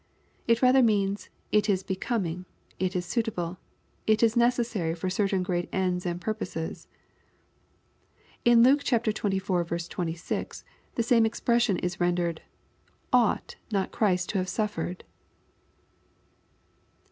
It rather means, " it is becoming, it is suitable, it is necessary for certain great ends and purposes.'' In Luke xxiv. 26, the same expression is rendered, " ougM not Christ to have suffered